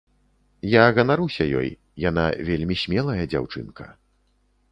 Я ганаруся ёй, яна вельмі смелая дзяўчынка.